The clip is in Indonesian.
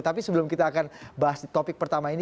tapi sebelum kita akan bahas topik pertama ini